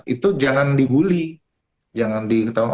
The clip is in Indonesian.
itu jangan dibully jangan diketahui